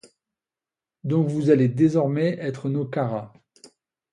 Donc vous allez désormais être nos Carats.